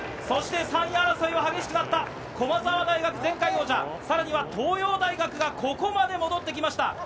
そして３位争いは激しくなった駒澤大学、さらには東洋大学がここまで戻ってきました。